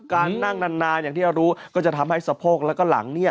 การนั่งนานอย่างที่เรารู้ก็จะทำให้สะโพกแล้วก็หลังเนี่ย